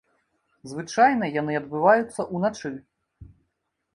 Звычайна яны адбываюцца ўначы.